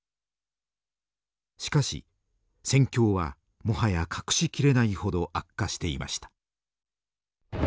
しかし戦況はもはや隠しきれないほど悪化していました。